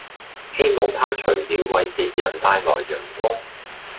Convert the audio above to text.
希望他除了為別人帶來陽光